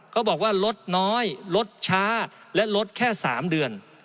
เขาบอกว่าลดน้อยลดช้าและลดแค่๓เดือน